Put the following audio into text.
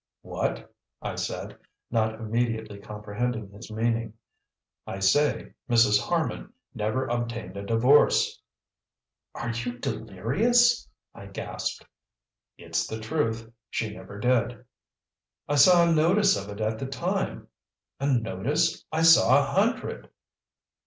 "What?" I said, not immediately comprehending his meaning. "I say, Mrs. Harman never obtained a divorce." "Are you delirious?" I gasped. "It's the truth; she never did." "I saw a notice of it at the time. 'A notice?' I saw a hundred!"